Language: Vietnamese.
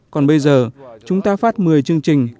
còn bây giờ chúng ta phát một mươi chương trình